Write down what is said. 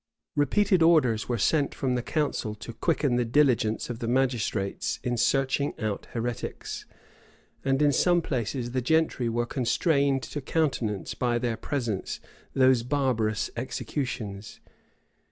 Repeated orders were sent from the council to quicken the diligence of the magistrates in searching out heretics; and in some places the gentry were constrained to countenance by their presence those barbarous executions.